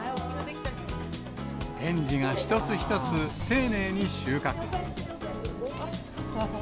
園児が一つ一つ丁寧に収穫。